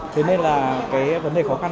thế nên là vấn đề khó khăn